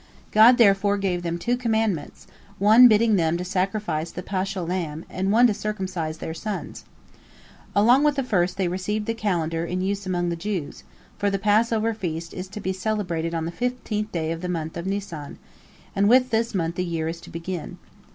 God therefore gave them two commandments, one bidding them to sacrifice the paschal lamb and one to circumcise their sons. Along with the first they received the calendar in use among the Jews, for the Passover feast is to be celebrated on the fifteenth day of the month of Nisan, and with this month the year is to begin.